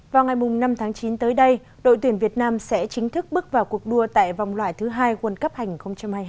vào ngày năm tháng chín tới đây đội tuyển việt nam sẽ chính thức bước vào cuộc đua tại vòng loại thứ hai world cup hành hai mươi hai